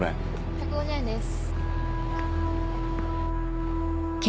１５０円です。